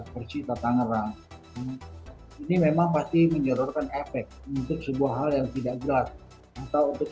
persita tangerang ini memang pasti menyodorkan efek untuk sebuah hal yang tidak jelas atau untuk